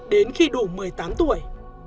đến khi đủ một mươi tám tuổi